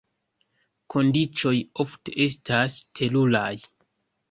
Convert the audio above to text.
Kondiĉoj ofte estas teruraj.